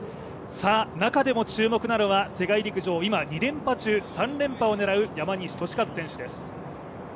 さあ、中でも注目なのが世界陸上、今２連覇中３連覇を狙う山西利和選手です。